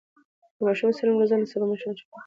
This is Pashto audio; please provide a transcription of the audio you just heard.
د ماشومانو سالم روزنه د سبا د مشرانو چمتو کول دي.